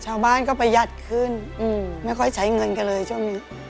ชาวบ้านก็ประหยัดขึ้นไม่ค่อยใช้เงินกันเลยช่วงนี้